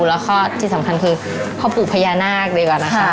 แล้วก็ที่สำคัญคือพ่อปู่พญานาคดีกว่านะคะ